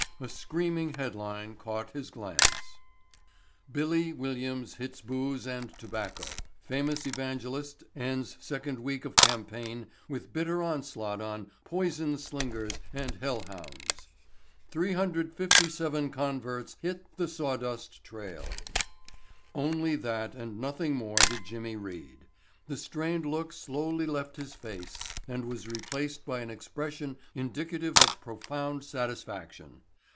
A screaming headline caught his glance: "BILLY" WILLIAMS HITS BOOZE AND TOBACCO –––– Famous Evangelist Ends Second Week of Campaign With Bitter Onslaught on "Poison Slingers and Hell Hounds." –––– 357 CONVERTS HIT THE SAWDUST TRAIL –––– Only that and nothing more did Jimmy read. The strained look slowly left his face and was replaced by an expression indicative of profound satisfaction.